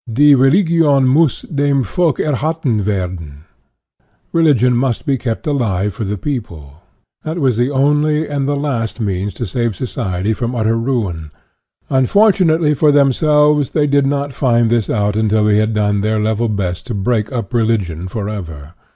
" Die Religion muss dem INTRODUCTION 43 Folk erhalten werden" religion must be kept alive for the people that was the only and the last means to save society from utter ruin. Un fortunately for themselves, they did not find this out until they had done their level best to break up religion for ever.